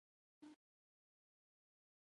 فریدګل د لاس تړلو کسانو څېرو ته ځیر شو